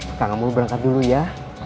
sekarang mau berangkat dulu ya